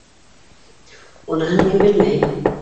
Уныһын мин белмәйем.